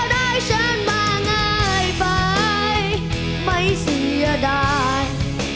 เธอได้ฉันมาง่ายไปไม่เสียดาย